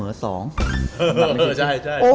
เออใช่